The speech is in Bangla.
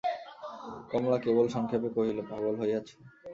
কমলা কেবল সংক্ষেপে কহিল, পাগল হইয়াছ!